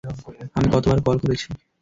আমি কতবার কল করেছি?